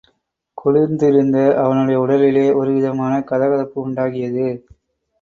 குளிர்ந்திருந்த அவனுடைய உடலிலே ஒருவிதமான கதகதப்பு உண்டாகியது.